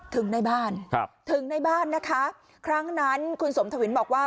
ถึงในบ้านครับถึงในบ้านนะคะครั้งนั้นคุณสมทวินบอกว่า